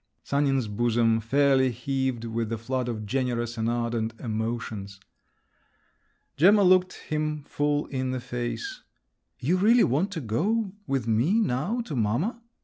Sanin's bosom fairly heaved with the flood of generous and ardent emotions. Gemma looked him full in the face. "You really want to go with me now to mamma?